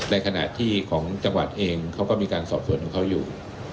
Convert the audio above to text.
ในขณะที่ของจังหวัดเองเขาก็มีการสอบส่วนของเขาอยู่